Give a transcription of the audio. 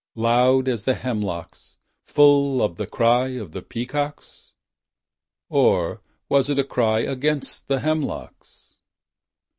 Loud as the hemlocks Full of the cry of the peacocks? Or was it a cry against the hemlocks?